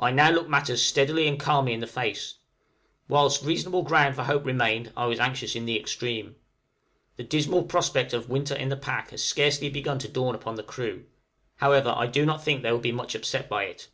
I now look matters steadily and calmly in the face; whilst reasonable ground for hope remained I was anxious in the extreme. The dismal prospect of a "winter in the pack" has scarcely begun to dawn upon the crew; however, I do not think they will be much upset by it.